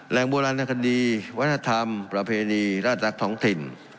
แรงบัวลานาคดีวัฒนธรรมประเพณีราชรักษ์ท้องถิ่น